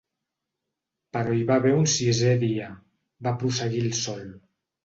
"Però hi va haver un sisè dia", va prosseguir el sol.